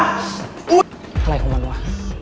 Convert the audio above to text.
อะไรของมันวะ